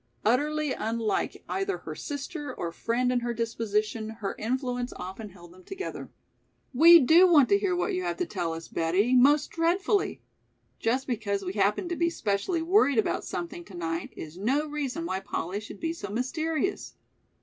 Utterly unlike either her sister or friend in her disposition, her influence often held them together. "We do want to hear what you have to tell us, Betty, most dreadfully. Just because we happen to be specially worried about something to night is no reason why Polly should be so mysterious.